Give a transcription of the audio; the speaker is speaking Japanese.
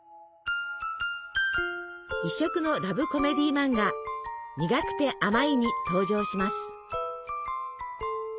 異色のラブコメディーマンガ「にがくてあまい」に登場します。